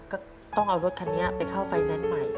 ก็ต้องเอารถคันนี้ไปเข้าไฟแนนซ์ใหม่